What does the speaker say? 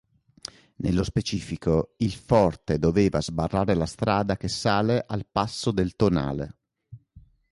Nello specifico il forte doveva sbarrare la strada che sale al passo del Tonale.